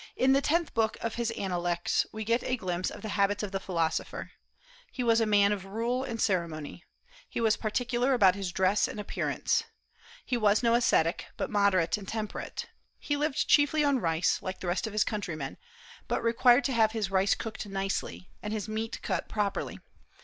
In the tenth book of his Analects we get a glimpse of the habits of the philosopher. He was a man of rule and ceremony. He was particular about his dress and appearance. He was no ascetic, but moderate and temperate. He lived chiefly on rice, like the rest of his countrymen, but required to have his rice cooked nicely, and his meat cut properly.